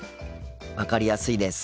分かりやすいです。